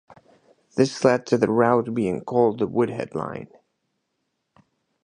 This led to the route being called the Woodhead Line.